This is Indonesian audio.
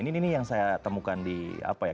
ini yang saya temukan di apa ya